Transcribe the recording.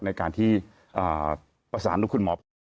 ในการที่ประสานลูกคุณหมอ